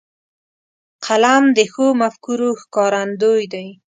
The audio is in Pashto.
قلم د ښو مفکورو ښکارندوی دی